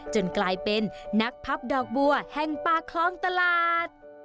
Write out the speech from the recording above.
กลายเป็นนักพับดอกบัวแห่งปากคลองตลาด